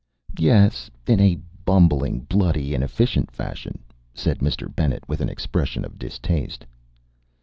"Yes, in a bumbling, bloody, inefficient fashion," said Mr. Bennet, with an expression of distaste.